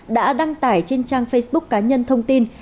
đã đăng tải trên trang facebook cá nhân thông tin